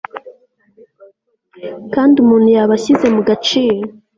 kandi umuntu yaba ashyize mu gaciro